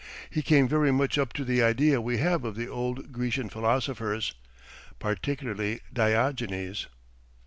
He came very much up to the idea we have of the old Grecian philosophers particularly Diogenes."